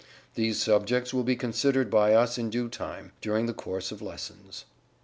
These subjects will be considered by us in due time, during the course of lessons.